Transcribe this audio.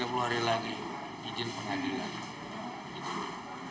tiga puluh hari lagi izin pengadilan